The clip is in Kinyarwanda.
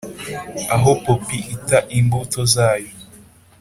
aho poppy ita imbuto zayo